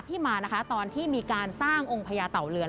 ที่มานะคะตอนที่มีการสร้างองค์พญาเต่าเรือน